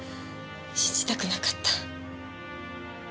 信じたくなかった。